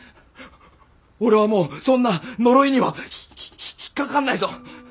俺はもうそんな呪いにはひひひ引っ掛かんないぞ！